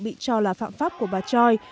bị cho là phạm pháp của bà choi